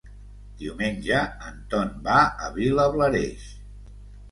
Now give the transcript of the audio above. Diumenge en Ton va a Vilablareix.